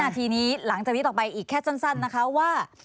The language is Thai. ทีนี้หลังจากนี้ต่อไปอีกแค่สั้นนะคะว่า